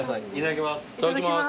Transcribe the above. いただきます。